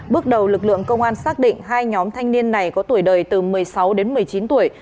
bước đầu lực lượng công an xác định hai nhóm thanh niên này có tuổi đời từ một mươi sáu đến một mươi chín tuổi